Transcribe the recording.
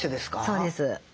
そうです。